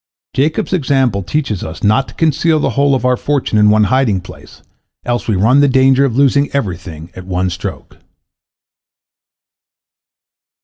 Jacob's example teaches us not to conceal the whole of our fortune in one hiding place, else we run the danger of losing everything at one stroke.